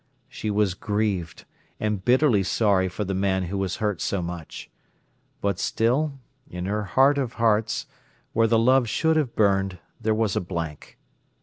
She was grieved, and bitterly sorry for the man who was hurt so much. But still, in her heart of hearts, where the love should have burned, there was a blank.